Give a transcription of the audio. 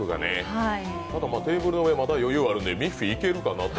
テーブルの前、まだ余裕があるのでミッフィーいけるかなと。